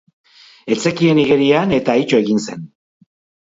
Ez zekien igerian eta ito egin zen.